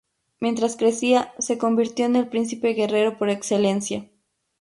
Mientras crecía se convirtió en el príncipe guerrero por excelencia.